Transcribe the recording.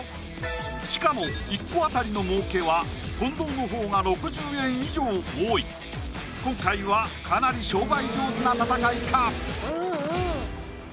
しかも１個当たりのもうけは近藤のほうが６０円以上多い今回はかなり商売上手な戦いか？